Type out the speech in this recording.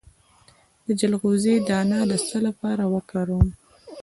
د چلغوزي دانه د څه لپاره وکاروم؟